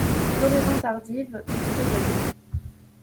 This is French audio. Floraison tardive, jusqu'au gelées.